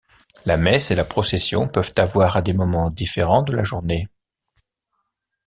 La messe et la procession peuvent avoir à des moment différents de la journée.